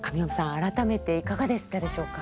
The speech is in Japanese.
改めていかがでしたでしょうか？